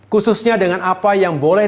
khususnya dengan apa yang boleh